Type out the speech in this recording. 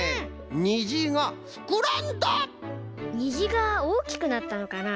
虹がおおきくなったのかな？